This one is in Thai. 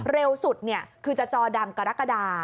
เร็วสุดคือจะจอดำกระดักกระดาษ